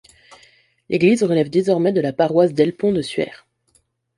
L'église relève désormais de la paroisse d'El Pont de Suert.